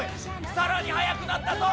さらに速くなったぞ